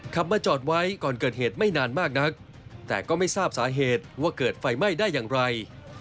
ขับมาจอดไว้ก่อนเกิดเหตุไม่นานมากนักแต่ก็ไม่ทราบสาเหตุว่าเกิดไฟไหม้ได้อย่างไร